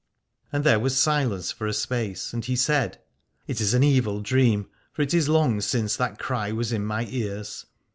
And there was silence for a space, and he said : It is an evil dream, for it is long since that cry was in my ears.